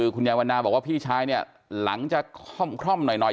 คุณยายวันนาบอกว่าพี่ชายเนี่ยหลังจากคล่อมหน่อย